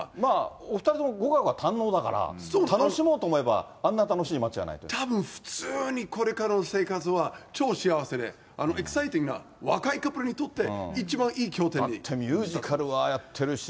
お２人とも語学が堪能だから、楽しもうと思えば、あんな楽しいたぶん普通に、これからの生活は超幸せで、エキサイティングな、若いカップルにとって、ミュージカルはやってるし。